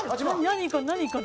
何か何か。